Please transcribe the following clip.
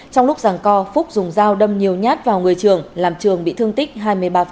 trong lúc rằng co phúc dùng dao đâm nhiều nhát vào người trường làm trường bị thương tích hai mươi ba